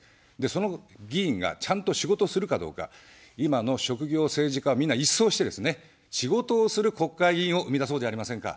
その議員が、ちゃんと仕事するかどうか、今の職業政治家は、みんな一掃してですね、仕事をする国会議員を生み出そうじゃありませんか。